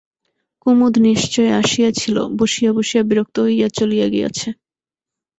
কুমুদ নিশ্চয় আসিয়াছিল, বসিয়া বসিয়া বিরক্ত হইয়া চলিয়া গিয়াছে।